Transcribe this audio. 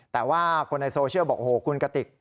แต่ว่าคนในโซเชียลบอกโอ้โหคุณกติก